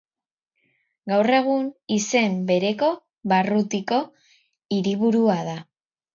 Gaur egun izen bereko barrutiko hiriburua da.